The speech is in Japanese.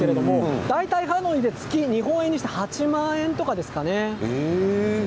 大体ハノイで月日本円にして８万円とかですかね。